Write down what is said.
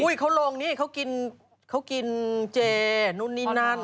เขาลงนี่เขากินเจนู่นนี่นั่น